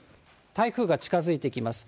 台風が近づいてきます。